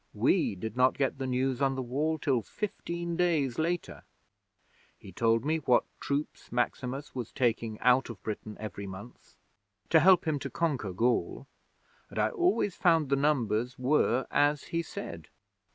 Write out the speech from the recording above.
We did not get the news on the Wall till fifteen days later. He told me what troops Maximus was taking out of Britain every month to help him to conquer Gaul; and I always found the numbers were as he said.